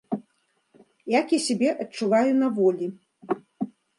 Як я сябе адчуваю на волі?